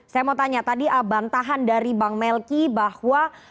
saya mau tanya tadi bantahan dari bang melki bahwa